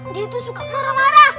dia itu suka marah marah